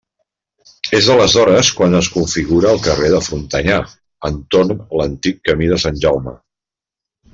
És aleshores quan es configura el carrer de Frontanyà, entorn l'antic camí de Sant Jaume.